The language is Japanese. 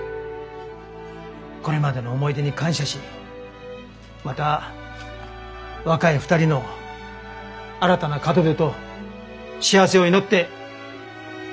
これまでの思い出に感謝しまた若い２人の新たな門出と幸せを祈って。